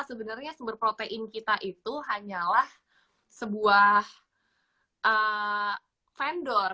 sebenarnya sumber protein kita itu hanyalah sebuah vendor